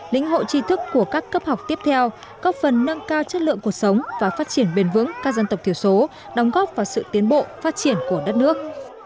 lính hộ chi thức của các cấp học tiếp theo góp phần nâng cao chất lượng cuộc sống và phát triển bền vững các dân tộc thiểu số đóng góp vào sự tiến bộ phát triển của đất nước